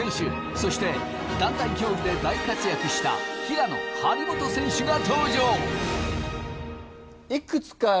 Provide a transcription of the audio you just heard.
そして団体競技で大活躍した平野張本選手が登場。